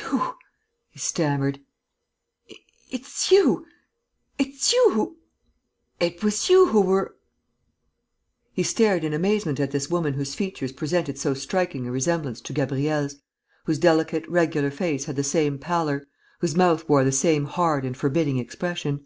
"You!" he stammered. "It's you!... It's you who ... it was you who were...." He stared in amazement at this woman whose features presented so striking a resemblance to Gabriel's, whose delicate, regular face had the same pallor, whose mouth wore the same hard and forbidding expression.